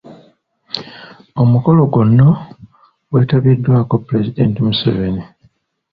Omukolo gono gwetabiddwako Pulezidenti Museveni.